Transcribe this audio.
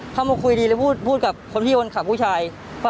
เข้ามาคุยดีแล้วพูดกับคนที่คนขับผู้ชาย